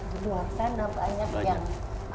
di luar sana banyak yang